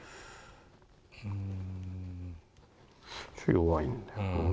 弱いんだよな。